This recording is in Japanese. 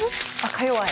かよわい。